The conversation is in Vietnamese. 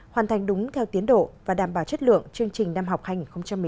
hoàn thành đúng theo tiến độ và đảm bảo chất lượng chương trình năm học hành một mươi chín hai nghìn hai mươi